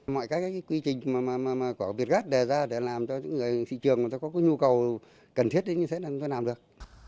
mọi cái quy trình mà có việc gắt để ra để làm cho những người thị trường có nhu cầu cần thiết thì sẽ làm được